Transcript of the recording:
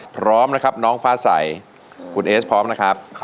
พร้อมนะครับน้องฟ้าใสคุณเอสพร้อมนะครับ